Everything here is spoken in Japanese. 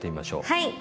はい。